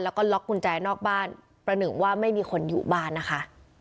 แล้วก็ล็อกกุญแจนอกบ้านประหนึ่งว่าไม่มีคนอยู่บ้านนะคะ